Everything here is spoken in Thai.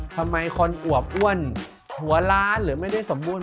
ทำไมคนอวบอ้วนหัวล้านหรือไม่ได้สมบูรณ